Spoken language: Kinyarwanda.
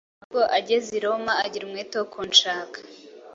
ahubwo ageze i Roma, agira umwete wo kunshaka,